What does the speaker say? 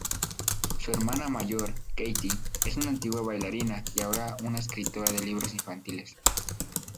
Su hermana mayor, Katie, es una antigua bailarina y ahora escritora de libros infantiles.